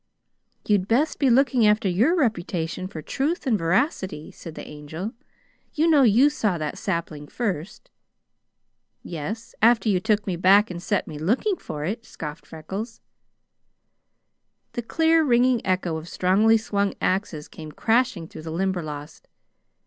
"You'd best be looking after your reputation for truth and veracity," said the Angel. "You know you saw that sapling first!" "Yes, after you took me back and set me looking for it," scoffed Freckles. The clear, ringing echo of strongly swung axes came crashing through the Limberlost.